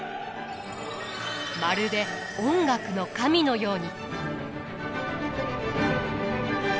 まるで「音楽の神」のように。